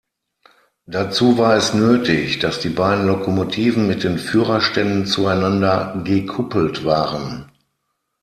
Dazu war es nötig, dass die beiden Lokomotiven mit den Führerständen zueinander gekuppelt waren.